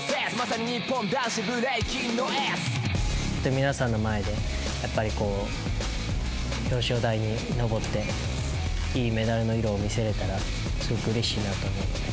皆さんの前で、表彰台に上っていいメダルの色を見せれたらすごくうれしいなと思います。